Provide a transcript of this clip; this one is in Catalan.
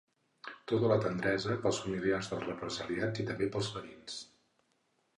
Tota la tendresa pels familiars dels represaliats i també pels ferits.